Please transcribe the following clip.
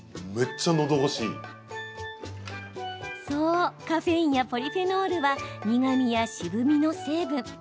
そう、カフェインやポリフェノールは苦みや渋みの成分。